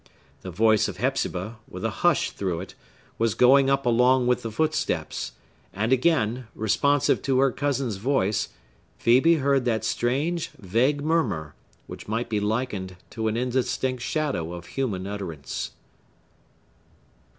The voice of Hepzibah, with a hush through it, was going up along with the footsteps; and, again, responsive to her cousin's voice, Phœbe heard that strange, vague murmur, which might be likened to an indistinct shadow of human utterance.